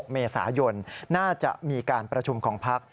เมษายนน่าจะมีการประชุมของพัก